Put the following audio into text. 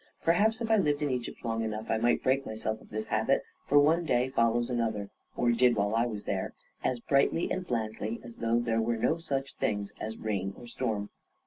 Perhaps if I lived in Egypt long enough, I might break myself of this habit, for one day fol lows another — or did while I was there — as brightly and blandly as though there were no such things as rain or storm.